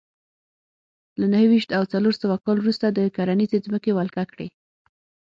له نهه ویشت او څلور سوه کال وروسته د کرنیزې ځمکې ولکه کړې